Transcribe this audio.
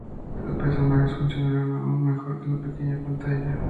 Sus personajes funcionaron aún mejor en la pequeña pantalla.